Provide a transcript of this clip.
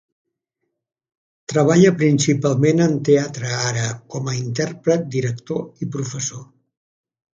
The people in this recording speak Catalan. Treballa principalment en teatre ara com a intèrpret, director i professor.